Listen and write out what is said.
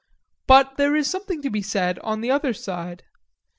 But there is something to be said on the other side.